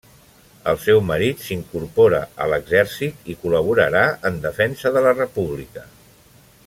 El seu marit s'incorpora a l'exèrcit, i col·laborarà en defensa de la República.